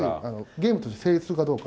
ゲームとして成立するかどうか。